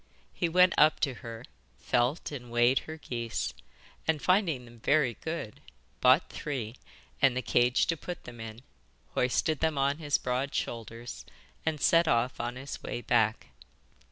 He went up to her, felt and weighed her geese, and, finding them very good, bought three and the cage to put them in, hoisted them on his broad shoulders, and set off on his way back.